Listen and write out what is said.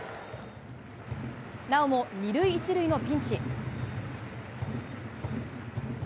なおも２塁１塁のピンチ。